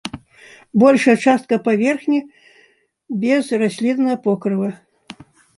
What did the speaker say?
Большая частка паверхні без расліннага покрыва.